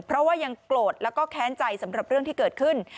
เพราะว่ายังโกรธแล้วก็แค้นใจสำหรับเรื่องที่เกิดขึ้น